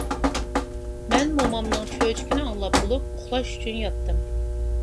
مەن مومامنىڭ چۆچىكىنى ئاڭلاپ بولۇپ، ئۇخلاش ئۈچۈن ياتتىم.